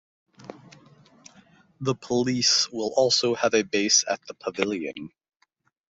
The police will also have a base at the pavilion.